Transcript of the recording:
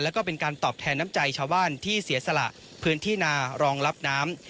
แล้วก็เป็นการตอบแทนน้ำใจชาวบ้านที่เสียสละพื้นที่นารองรับน้ำ